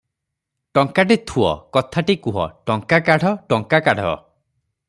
ଟଙ୍କାଟି ଥୁଅ, କଥାଟି କୁହ, ଟଙ୍କା କାଢ଼, ଟଙ୍କା କାଢ଼ ।